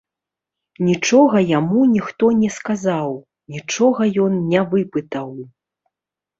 Нічога яму ніхто не сказаў, нічога ён не выпытаў.